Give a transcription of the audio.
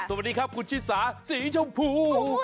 สวัสดีครับคุณชิสาสีชมพู